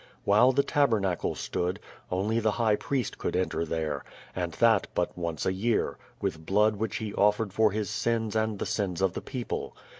While the tabernacle stood, only the high priest could enter there, and that but once a year, with blood which he offered for his sins and the sins of the people.